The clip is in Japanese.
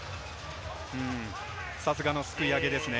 さすがのすくい上げですね。